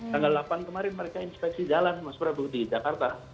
tanggal delapan kemarin mereka inspeksi jalan mas prabu di jakarta